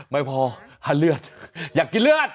ไม่พอถ้าเลือดอยากกินเลือด